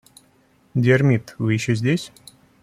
Диармид, вы еще здесь?